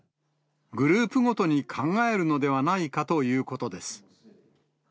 グループごとに考えるのではないかということです。